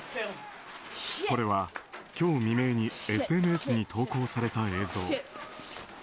これは、今日未明にＳＮＳに投稿された映像。